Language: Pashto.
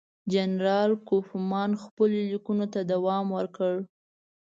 جنرال کوفمان خپلو لیکونو ته دوام ورکړ.